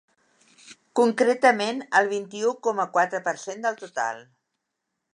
Concretament, el vint-i-u coma quatre per cent del total.